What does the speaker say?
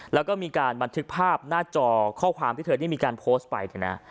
แล้วก็มีการบันทึกภาพหน้าจอข้อความที่เธอได้มีการโพสต์ไปเนี่ยนะ